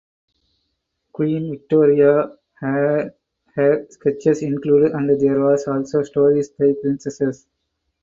Queen Victoria had her sketches included and there was also stories by princesses.